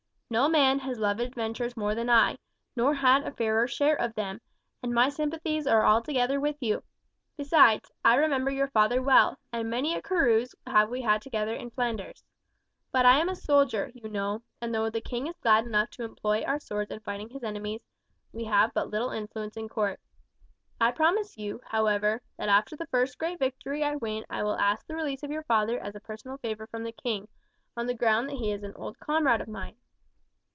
"No man has loved adventures more than I, nor had a fairer share of them, and my sympathies are altogether with you; besides, I remember your father well, and many a carouse have we had together in Flanders. But I am a soldier, you know, and though the king is glad enough to employ our swords in fighting his enemies, we have but little influence at court. I promise you, however, that after the first great victory I win I will ask the release of your father as a personal favour from the king, on the ground that he was an old comrade of mine.